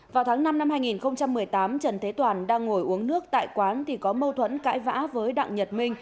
vào tháng năm năm hai nghìn một mươi tám trần thế toàn đang ngồi uống nước tại quán thì có mâu thuẫn cãi vã với đặng nhật minh